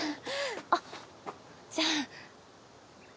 あっじゃあ。